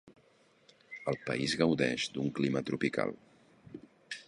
El país gaudeix d'un clima tropical.